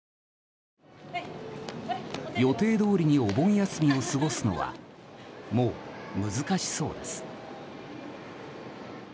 予定どおりにお盆休みを過ごすのはもう難しそうです。